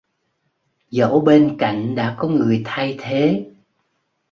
Dẫu bên cạnh đã có người thay thế